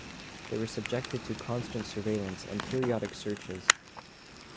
They were subjected to constant surveillance and periodic searches.